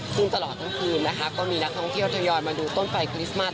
ซึ่งตลอดทั้งคืนนะคะก็มีนักท่องเที่ยวทยอยมาดูต้นไฟคริสต์มัส